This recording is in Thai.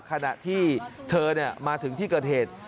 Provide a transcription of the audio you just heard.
ขณะที่เถอะนี่มาถึงที่เกราะเหตุ